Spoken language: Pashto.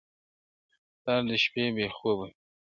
پلار د شپې بې خوبه وي,